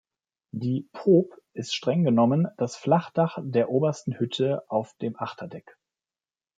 Die Poop ist streng genommen das Flachdach der obersten Hütte auf dem Achterdeck.